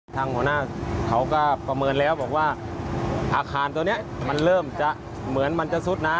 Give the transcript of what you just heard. ทางหัวหน้าเขาก็ประเมินแล้วบอกว่าอาคารตัวนี้มันเริ่มจะเหมือนมันจะซุดนะ